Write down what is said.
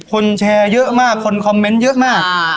คนแชร์เยอะมากคนคอมเมนต์เยอะมาก